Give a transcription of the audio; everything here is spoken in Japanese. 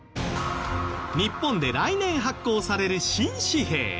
日本で来年発行される新紙幣。